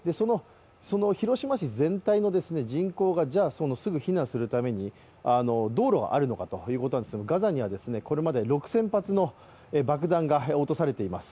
その広島市全体の人口がそのすぐ避難するために道路があるのかということなんですが、ガザにはこれまで６０００発の爆弾が落とされています。